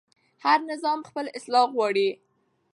هر نظام خپل اصلاح غواړي